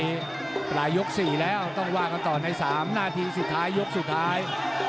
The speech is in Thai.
เปลี่ยนปลายยก๔แล้วต้องวากเข้าต่อใน๓นาทีสุดท้ายยกสุดท้าย